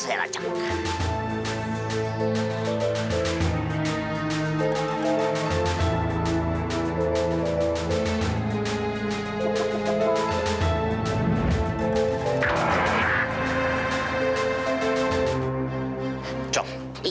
eh sehat kan